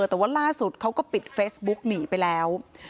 แต่ว่าล่าสุดเขาก็ปิดเฟซบุ๊กหนีไปแล้ว